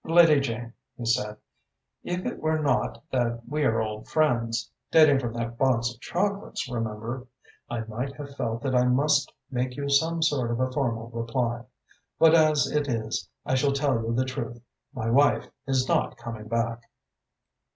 "Lady Jane," he said, "if it were not that we are old friends, dating from that box of chocolates, remember, I might have felt that I must make you some sort of a formal reply. But as it is, I shall tell you the truth. My wife is not coming hack."